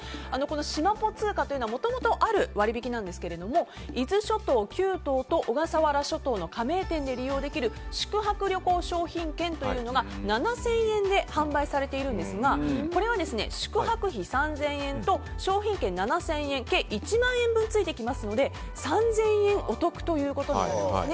しまぽ通貨というのはもともとある割引なんですが伊豆諸島９島と小笠原諸島の加盟店で利用できる宿泊旅行商品券が７０００円で販売されているんですがこれは、宿泊費３０００円と商品券７０００円計１万円分ついてきますので３０００円お得ということになるんです。